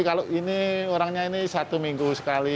kalau ini orangnya ini satu minggu sekali